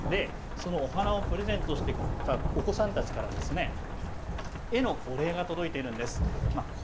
お花をプレゼントされたお子さんたちから絵のお礼が届いています。